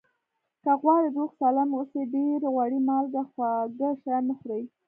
که غواړئ روغ سالم اوسئ ډېر غوړي مالګه خواږه شیان مه خوری